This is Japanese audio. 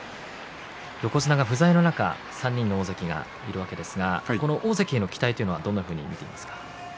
横綱が不在の中、３人の大関がいるわけですが大関への期待はどんなふうに見ていますか？